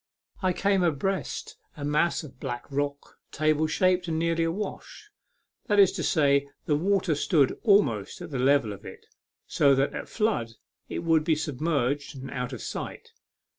A MEMORABLE SWIM. 53 I came abreast of a mass of black rock, table shaped, and nearly awash ; that is to say, the water stood almost at the level of it, so that at flood it would be submerged and out of sight.